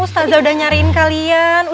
ustazah udah nyariin kalian